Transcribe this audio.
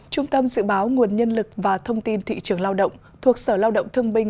trung tâm dự báo nguồn nhân lực và thông tin thị trường lao động thuộc sở lao động thương binh